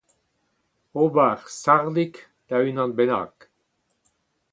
ober sardik da unan bennak